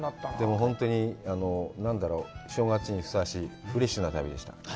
本当に正月にふさわしいフレッシュな旅でした。